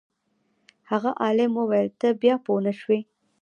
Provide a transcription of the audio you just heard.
هغه عالم وویل ته بیا پوه نه شوې.